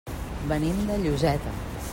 Venim de Lloseta.